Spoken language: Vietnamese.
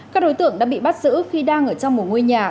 các đối tượng đã bị bắt giữ khi đang ở trong một ngôi nhà